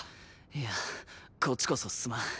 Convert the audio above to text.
いやこっちこそすまん。